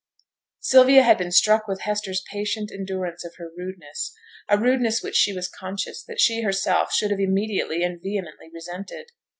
Sylvia had been struck with Hester's patient endurance of her rudeness, a rudeness which she was conscious that she herself should have immediately and vehemently resented.